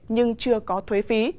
nhưng chưa có thuế phí